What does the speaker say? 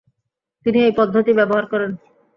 তিনি এই পদ্ধতি ব্যবহার করেন।